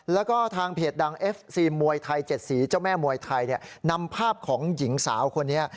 แล้วก็ทางเพจดังเอฟซีมวยไทย๗สีเจ้าแม่มวยไทยนำภาพของหญิงสาวคนนี้